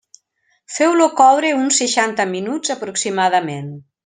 Feu-lo coure uns seixanta minuts aproximadament.